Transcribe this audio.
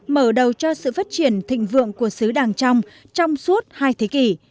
mở đầu cho sự phát triển thịnh vượng của xứ đàng trong suốt hai thế kỷ